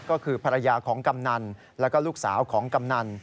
ก็คือภรรยาของกำนันแล้วก็ลูกสาวของกำนัน